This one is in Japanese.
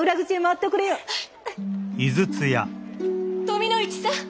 富の市さん。